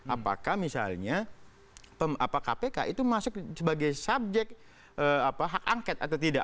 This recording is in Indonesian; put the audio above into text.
apakah misalnya kpk itu masuk sebagai subjek hak angket atau tidak